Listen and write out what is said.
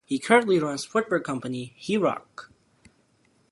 He currently runs footwear company, Heroyk.